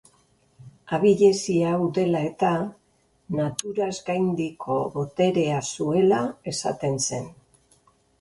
Abilezia hau dela eta, naturaz gaindiko boterea zuela esaten zen.